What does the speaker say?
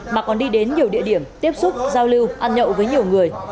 mà còn đi đến nhiều địa điểm tiếp xúc giao lưu ăn nhậu với nhiều người